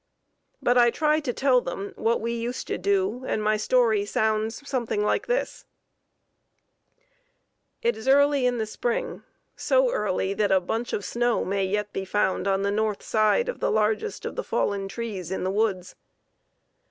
But I try to tell them what we used to do and my story sounds something like this: "It is early in the spring, so early that a bunch of snow may yet be found on the north side of the largest of the fallen trees in the woods.